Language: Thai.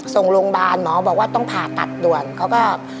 ส่งโรงพยาบาลหมอบอกว่าต้องผ่าตัดด่วนเขาก็